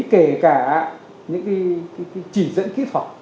kể cả những cái chỉ dẫn kỹ thuật